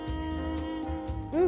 うん！